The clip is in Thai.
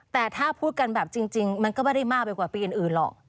แต่ถ้าพูดกันแบบจริงมันก็ไม่ได้มากไปกว่าปีอื่นหรอก